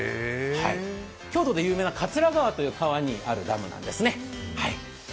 京都で有名な桂川という川にあるダムなんですね。